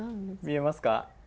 見えますか？